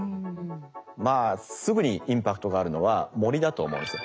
まあすぐにインパクトがあるのは森だと思うんですね。